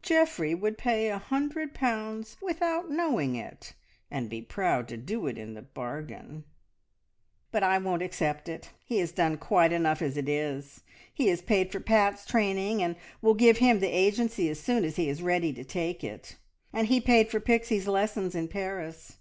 Geoffrey would pay a hundred pounds without knowing it, and be proud to do it into the bargain!" "But I won't accept it. He has done quite enough as it is. He has paid for Pat's training, and will give him the agency as soon as he is ready to take it, and he paid for Pixie's lessons in Paris.